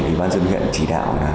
ủy ban dân viện chỉ đạo là